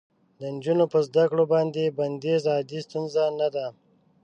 د نجونو په زده کړو باندې بندیز عادي ستونزه نه ده.